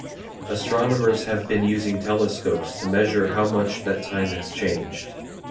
Astronomers have been using telescopes to measure how much that time has changed